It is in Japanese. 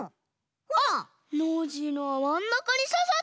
あっノージーのはまんなかにささってる！